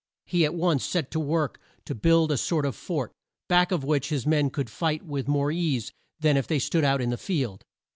He at once set to work to build a sort of fort, back of which his men could fight with more ease than if they stood out in the field.